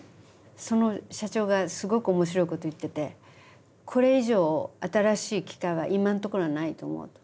その社長がすごく面白いこと言ってて「これ以上新しい機械は今のところはないと思う」と。